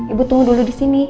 ibu tunggu dulu disini